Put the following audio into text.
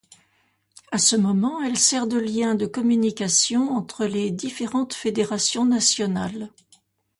À ce moment, elle sert de lien de communications entre les différentes fédérations nationales.